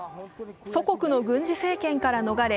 祖国の軍事政権から逃れ